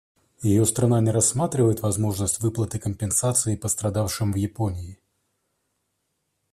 Ее страна не рассматривает возможность выплаты компенсации пострадавшим в Японии?